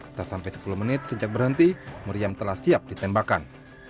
setelah sampai sepuluh menit sejak berhenti meriam telah siap ditembakkan